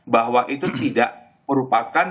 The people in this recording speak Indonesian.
bahwa itu tidak merupakan